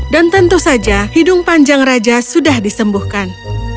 dan tentu saja hidung panjang raja sudah disembuhkan